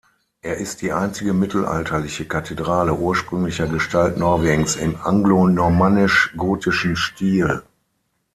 Er ist die einzige mittelalterliche Kathedrale ursprünglicher Gestalt Norwegens im anglonormannisch-gotischen Stil.